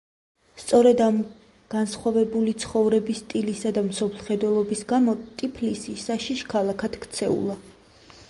სწორედ ამ ორი განსხვავებული ცხოვრების სტილისა და მსოფლმხედველობის გამო ტიფლისი საშიშ ქალაქად ქცეულა.